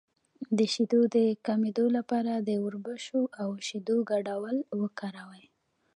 د شیدو د کمیدو لپاره د وربشو او شیدو ګډول وکاروئ